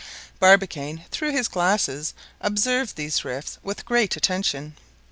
Barbicane, through his glasses, observed these rifts with great attention.